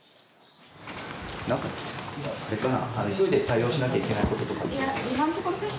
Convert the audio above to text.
何かあれかな、急いで対応しなきゃいけないこととかって。